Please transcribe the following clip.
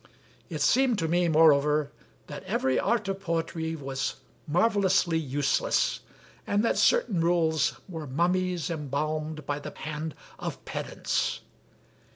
It seemed to me, moreover, that every Art of Poetry was marvelously useless, and that certain rules were mummies embalmed by the hand of pedants.